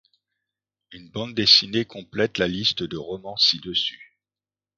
Une bande dessinée complète la liste de romans ci-dessus.